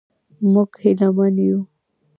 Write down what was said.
موږ هیله من یو.